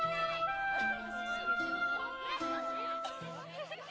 フフフ。